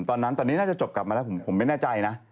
ตอนนั้นตอนนี้น่าจะจบกลับมาแล้วผมไม่แน่ใจนะ